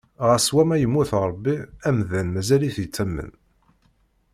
Ɣas wamma yemmut Ṛebbi, amdan mazal-it yettamen.